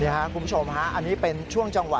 คุณผู้ชมฮะอันนี้เป็นช่วงจังหวะ